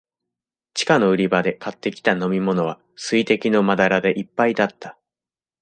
地下の売り場で買ってきた飲みものは、水滴のまだらでいっぱいだった。